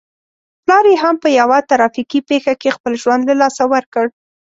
پلار يې هم په يوه ترافيکي پېښه کې خپل ژوند له لاسه ور کړ.